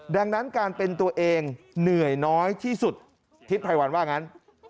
ดังนั้นการเป็นตัวเองเหนื่อยน้อยที่สุดทิศภัยวันว่างั้น